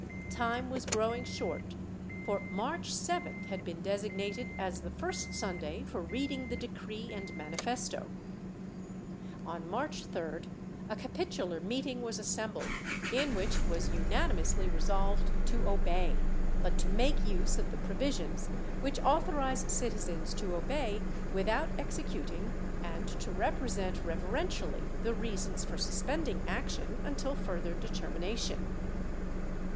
^ Time was growing short, for March 7th had been designated as the first Sunday for reading the decree and manifesto. On March 3d a capitular meeting was assembled, in which it was unanimously resolved to obey, but to make use of the provisions which authorize citizens to obey without executing and to represent reverentially the reasons for suspending action until further determination.